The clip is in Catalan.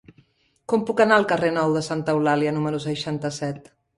Com puc anar al carrer Nou de Santa Eulàlia número seixanta-set?